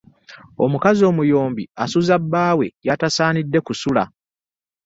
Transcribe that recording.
Omukazi omuyombi asuza bba we gy'atasaanidde kusula .